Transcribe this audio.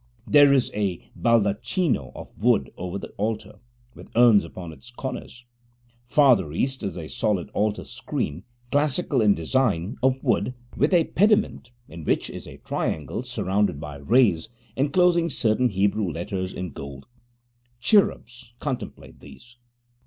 There is a baldacchino of wood over the altar, with urns upon its corners. Farther east is a solid altar screen, classical in design, of wood, with a pediment, in which is a triangle surrounded by rays, enclosing certain Hebrew letters in gold. Cherubs contemplate these.